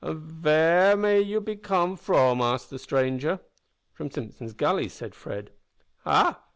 "An' vere may you be come from?" asked the stranger. "From Simpson's Gully," said Fred. "Ha!